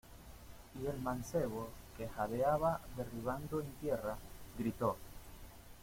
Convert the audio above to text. y el mancebo, que jadeaba derribado en tierra , gritó: